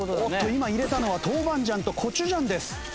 今入れたのは豆板醤とコチュジャンです。